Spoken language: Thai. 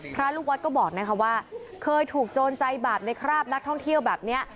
พระลูกวัดก็บอกนะคะว่าเคยถูกโจรใจบาปในคราบนักท่องเที่ยวแบบนี้